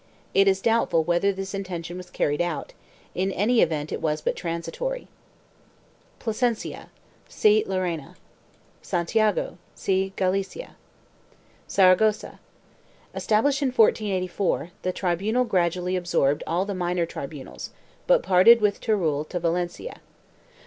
It is doubtful whether this intention was carried out; in any event it was but transitory.1 PLASENCIA. See LLERENA. SANTIAGO. See GALICIA. SARAGOSSA. Established in 1484, the tribunal gradually absorbed all the minor tribunals, but parted with Teruel to Valencia.